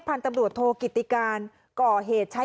เผื่อ